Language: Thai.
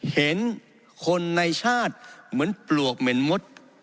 เห็นคนในชาติเหมือนปลวกเหม็นมด